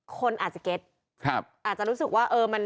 คนอาจจะเก็ตอาจจะรู้สึกว่า